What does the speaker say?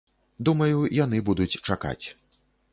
Думаю, яны будуць чакаць.